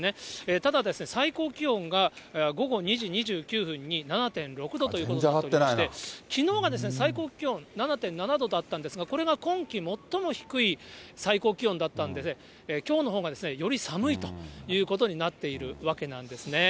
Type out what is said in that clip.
ただ、最高気温が午後２時２９分に７．６度ということでして、きのうが最高気温７．７度だったんですが、これが今季最も低い最高気温だったんで、きょうのほうがより寒いということになっているわけなんですね。